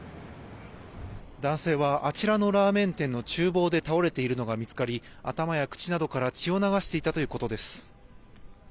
男性はあちらのラーメン店の厨房で倒れているのが見つかり頭や口などから血を流していたということです。